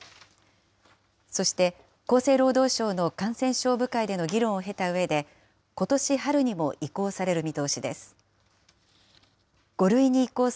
そして、厚生労働省の感染症部会での議論を経たうえで、ことし春にも移行される見通しです。